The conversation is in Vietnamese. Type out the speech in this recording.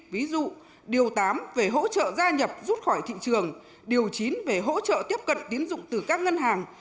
ví dụ điều tám về hỗ trợ gia nhập rút khỏi thị trường điều chín về hỗ trợ tiếp cận tín dụng từ các ngân hàng